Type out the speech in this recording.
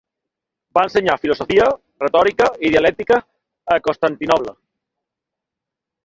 Va ensenyar filosofia, retòrica i dialèctica a Constantinoble.